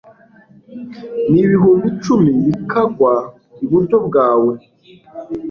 n’ibihumbi cumi bikagwa iburyo bwawe